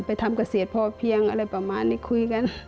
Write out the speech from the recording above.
ทำเกษตรพอเพียงอะไรประมาณนี้คุยกัน